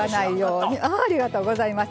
ありがとうございます。